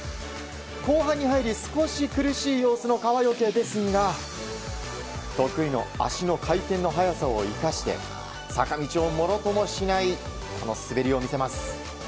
後半に入り少し苦しい様子の川除ですが得意の足の回転の速さを生かして坂道をものともしない滑りを見せます。